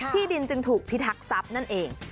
ที่ดินจึงถูกพิทักษัพนั่นเอง